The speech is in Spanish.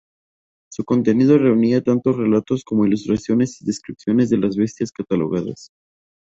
Su contenido reunía tanto relatos como ilustraciones y descripciones de las bestias catalogadas.